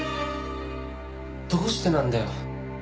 どうしてなんだよ。